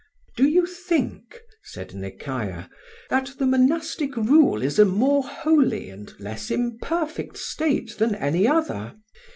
"Do you think," said Nekayah, "that the monastic rule is a more holy and less imperfect state than any other?